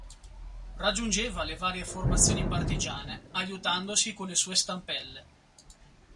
Raggiungeva le varie formazioni partigiane aiutandosi con le sue stampelle.